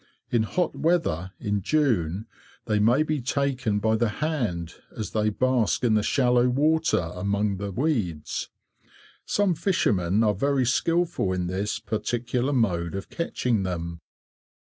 In hot weather, in June, they may be taken by the hand as they bask in the shallow water among the weeds. Some fishermen are very skilful in this particular mode of catching them.